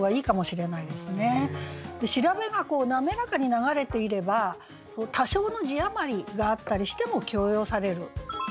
調べが滑らかに流れていれば多少の字余りがあったりしても許容される。